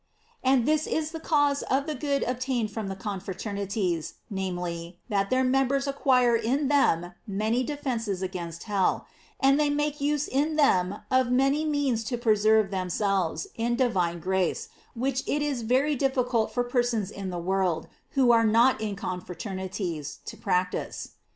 "* And this is the cause of the good obtained from the confraternities, namely, that their members acquire in them many defences against hell ; and they make use in them of many means to preserve themselves in divine grace which it is very difficult for persons in the world, who are not in confraternities, to practise.